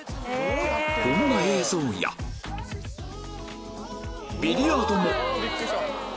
こんな映像やビリヤードも！